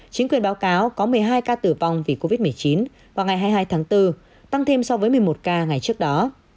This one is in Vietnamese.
chính quyền báo cáo có một mươi hai ca tử vong vì covid một mươi chín vào ngày hai mươi hai tháng bốn tăng thêm so với một mươi một ca ngày trước đó